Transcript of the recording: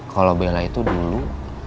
kalau bella itu dulu